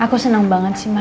aku seneng banget sih ma